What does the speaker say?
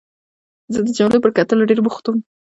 زه د جملو پر کټلو ډېر بوخت وم.